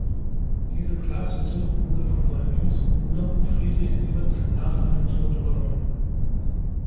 Diese Glashütte wurde von seinem jüngsten Bruder Friedrich Siemens nach seinem Tod übernommen.